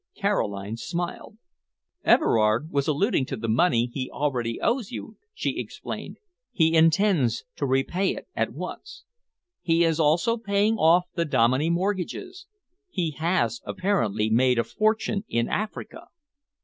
Caroline smiled. "Everard was alluding to the money he already owes you," she explained. "He intends to repay it at once. He is also paying off the Dominey mortgages. He has apparently made a fortune in Africa."